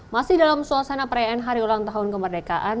masih dalam suasana perayaan hari ulang tahun kemerdekaan